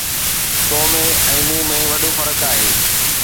تو ۾۽ مون ۾ وڏو فرق آهي